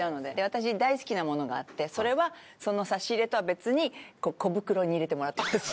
私大好きなものがあってそれはその差し入れとは別に小袋に入れてもらってます。